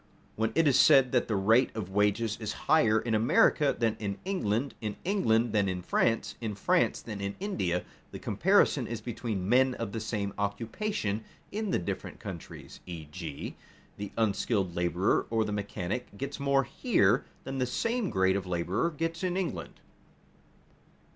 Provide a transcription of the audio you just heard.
When it is said that the rate of wages is higher in America than in England, in England than in France, in France than in India, the comparison is between men of the same occupation in the different countries; e.g., the unskilled laborer or the mechanic gets more here than the same grade of laborer gets in England.